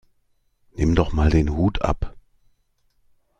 Nimm doch mal den Hut ab!